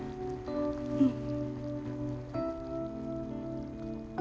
うん。